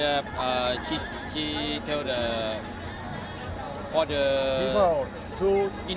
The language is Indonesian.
ya dia beritahu orang di dinding